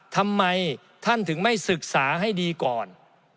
ทำไมท่านถึงไม่ศึกษาให้ดีก่อน